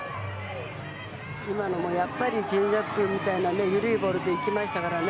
今のも、やっぱりチェンジアップみたいなね緩いボールでいきましたからね。